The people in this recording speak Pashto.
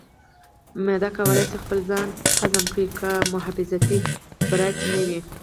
معده کولی شي خپل ځان هضم کړي که محافظتي پرت نه وي.